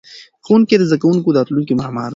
ښوونکي د زده کوونکو د راتلونکي معماران دي.